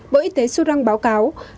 bộ y tế sudan báo cáo